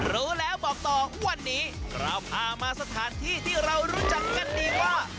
รู้แล้วบอกต่อวันนี้เราพามาสถานที่ที่เรารู้จักกันดีว่า